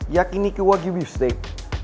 yakin ini gue yang kasih steak